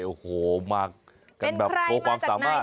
โอ้โหมากันแบบโชว์ความสามารถ